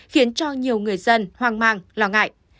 khiến cho nhiều người dân hoang mang lo ngại